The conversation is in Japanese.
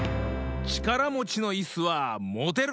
ちからもちのいすはもてる！